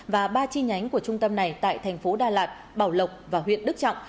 và ba chi nhánh của trung tâm này tại thành phố đà lạt bảo lộc và huyện đức trọng